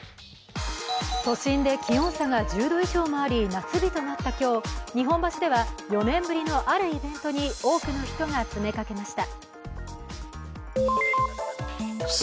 都心で気温差が１０度以上もあり夏日となった今日、日本橋では、４年ぶりのあるイベントに多くの人が詰めかけました。